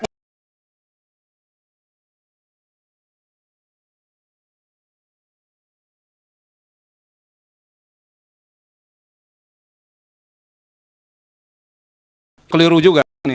ya saya bisa memaklumi situasi seperti ini